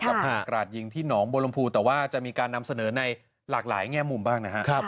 เหตุกราดยิงที่หนองบลมภูแต่ว่าจะมีการนำเสนอในหลากหลายแง่มุมบ้างนะครับ